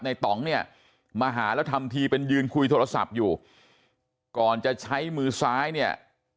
ต่องเนี่ยมาหาแล้วทำทีเป็นยืนคุยโทรศัพท์อยู่ก่อนจะใช้มือซ้ายเนี่ย